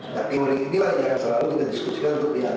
nah teori ini lah yang akan selalu kita diskusikan untuk dianalisa